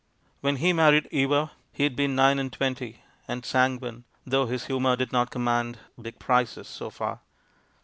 When he married Eva, he had been nine and twenty, and sanguine, though his humour did not command big prices so far.